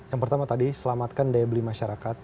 yang pertama tadi selamatkan daya beli masyarakat